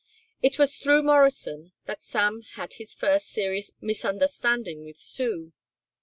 It was through Morrison that Sam had his first serious misunderstanding with Sue.